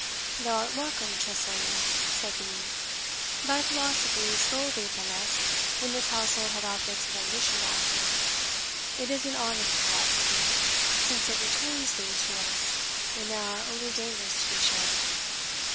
"Thou art welcome, Tressilian," said the youth. "Thy philosophy stole thee from us when this household had objects of ambition to offer; it is an honest philosophy, since it returns thee to us when there are only dangers to be shared."